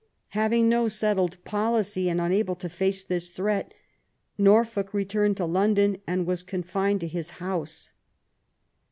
Having no settled policy and unable to face this threat, Norfolk returned to London and was confined to his house.